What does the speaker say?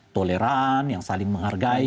toleran yang saling menghargai